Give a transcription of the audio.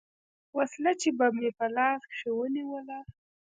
وسله چې به مې په لاس کښې ونېوله.